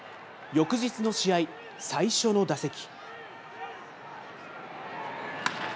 翌日の試合、最初の打席。